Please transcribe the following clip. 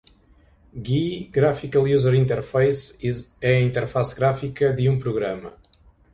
GUI (Graphical User Interface) é a interface gráfica de um programa.